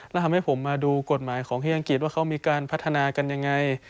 แล้วทำให้ผมมาดูกฎหมายของที่อังกฤษว่าเขามีการพัฒนากันยังไง